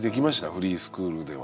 フリースクールでは。